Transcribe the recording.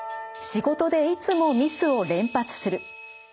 仕事でいつもミスを連発する。